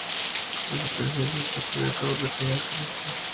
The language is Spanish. Su superficie está cubierta de pequeñas crestas.